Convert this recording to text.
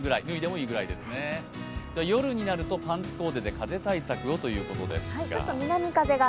夜になるとパンツコーデで風対策を！ということですが。